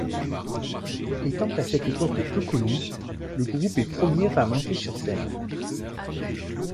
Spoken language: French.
Étant à cette époque peu connu, le groupe est premier à monter sur scène.